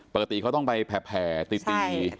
ปกติเขาต้องไปแผ่ตี